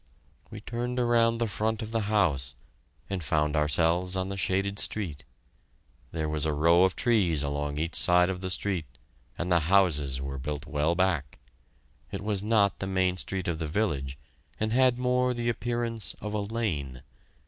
We turned around the front of the house and found ourselves on the shaded street. There was a row of trees along each side of the street and the houses were built well back. It was not the main street of the village and had more the appearance of a lane.